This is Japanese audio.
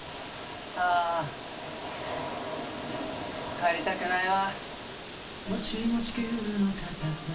帰りたくないわ。